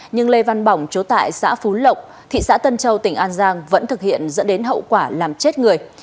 nhưng lê văn bỏng chú tại xã phú lộng thị xã tân châu tỉnh an giang vẫn thực hiện dẫn đến hậu quả làm chết người